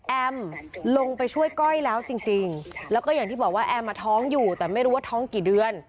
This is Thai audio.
ลงไปช่วยก้อยแล้วจริงแล้วก็อย่างที่บอกว่าแอมท้องอยู่แต่ไม่รู้ว่าท้องกี่เดือน